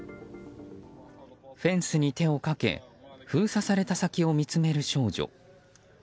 フェンスに手をかけ封鎖された先を見つめる少女。